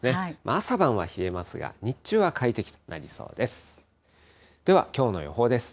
朝晩は冷えますが、日中は快適となりそうです。